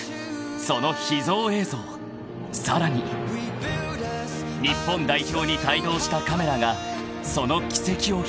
［その秘蔵映像さらに日本代表に帯同したカメラがその軌跡をひもとく］